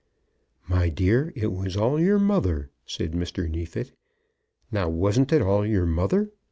"My dear, it was all your mother," said Mr. Neefit. "Now wasn't it all your mother?